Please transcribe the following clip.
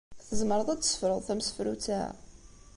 Tzemreḍ ad d-tessefruḍ tamsefrut-a?